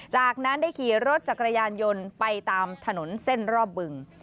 จากนั้นได้ขี่รถจักรยานยนต์ไปตามถนนเส้นรอบบึง